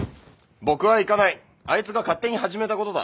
僕は行かないあいつが勝手に始めたことだ。